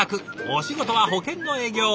お仕事は保険の営業。